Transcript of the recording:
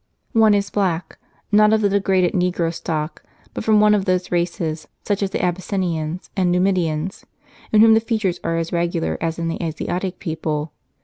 One is a black ; not of the degraded negro stock, but from one of those races, such as the Abyssinians and Numidians, in whom the features are as regular as in the Asiatic people.